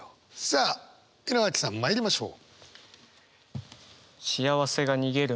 さあ井之脇さんまいりましょう。